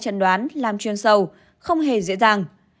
chẩn đoán làm chuyên sâu không hề dễ dàng